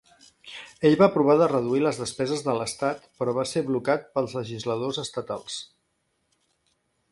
Ell va provar de reduir les despeses de l'estat, però va ser blocat pels legisladors estatals.